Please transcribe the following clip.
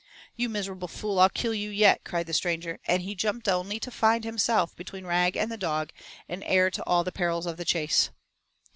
"You miserable fool, I'll kill you yet," cried the stranger, and up he jumped only to find himself between Rag and the dog and heir to all the peril of the chase.